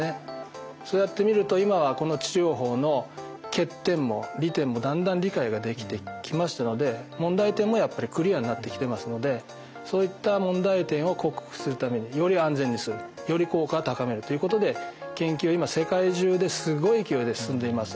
そうやってみると今はこの治療法の欠点も利点もだんだん理解ができてきましたので問題点もやっぱりクリアになってきてますのでそういった問題点を克服するためにより安全にするより効果を高めるということで研究が今世界中ですごい勢いで進んでいます。